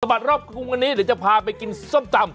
บัดรอบกรุงวันนี้เดี๋ยวจะพาไปกินส้มตำ